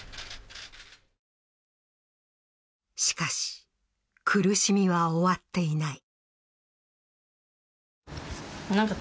しかし、苦しみは終わっていない。